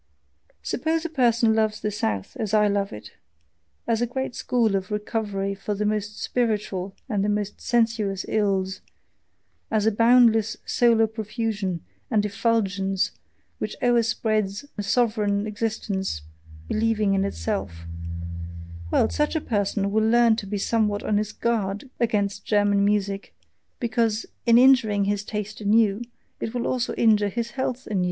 Suppose a person loves the South as I love it as a great school of recovery for the most spiritual and the most sensuous ills, as a boundless solar profusion and effulgence which o'erspreads a sovereign existence believing in itself well, such a person will learn to be somewhat on his guard against German music, because, in injuring his taste anew, it will also injure his health anew.